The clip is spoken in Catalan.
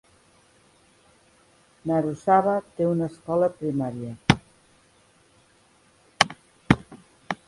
Narusawa té una escola primària.